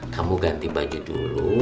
kamu ganti baju dulu